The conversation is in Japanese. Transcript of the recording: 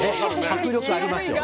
迫力ありますよ。